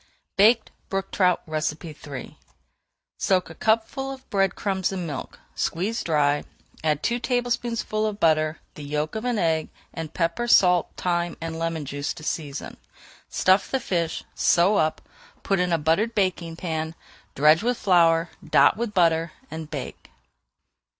BAKED BROOK TROUT III Soak a cupful of bread crumbs in milk, squeeze dry, add two tablespoonfuls of butter, the yolk of an egg, and pepper, salt, thyme, and lemon juice to season. Stuff the fish, sew up, put in a buttered baking pan, dredge with flour, dot with butter, and bake.